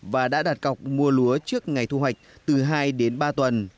và đã đặt cọc mua lúa trước ngày thu hoạch từ hai đến ba tuần